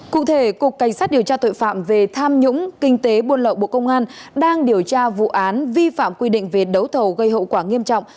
cụ thể cục cảnh sát điều tra tội phạm về tham nhũng kinh tế buôn lậu bộ công an đang điều tra vụ án vi phạm quy định về đấu thầu gây hậu quả nghiêm trọng